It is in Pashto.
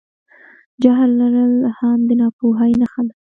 جهل لرل هم د ناپوهۍ نښه ده.